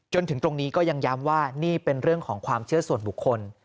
จนถึงตรงนี้ก็ยังย้ำว่านี่เป็นเรื่องของความเชื่อส่วนบุคคล